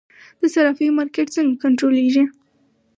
د صرافیو مارکیټ څنګه کنټرولیږي؟